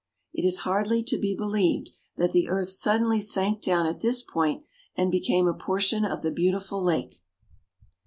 It is hardly to be believed that the earth suddenly sank down at this point and became a portion of the beautiful lake.